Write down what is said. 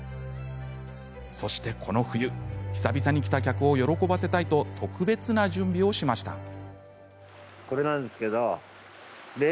そして、この冬久々に来た客を喜ばせたいと特別な準備をしました。